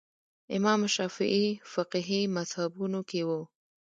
امام شافعي فقهي مذهبونو کې وو